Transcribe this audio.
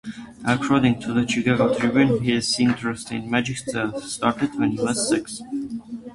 According to the Chicago Tribune, his interest in magic started when he was six.